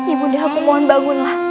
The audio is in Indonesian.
ibu nda aku mohon bangunlah